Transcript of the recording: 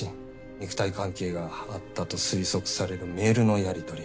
肉体関係があったと推測されるメールのやりとり。